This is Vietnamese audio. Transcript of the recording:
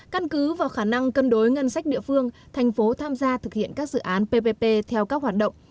căn cứ vào khả năng cân đối ngân sách địa phương thành phố tham gia thực hiện các dự án ppp theo các hoạt động